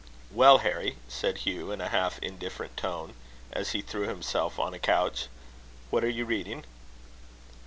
"Well, Harry," said Hugh, in a half indifferent tone, as he threw himself on a couch, "what are you reading?"